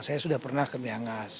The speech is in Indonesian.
saya sudah pernah ke miangas